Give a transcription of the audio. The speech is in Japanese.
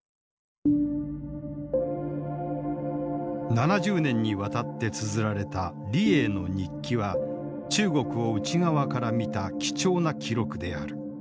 ７０年にわたってつづられた李鋭の日記は中国を内側から見た貴重な記録である。